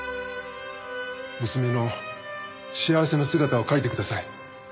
娘の幸せな姿を描いてください。